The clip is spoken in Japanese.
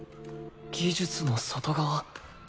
技術の外側。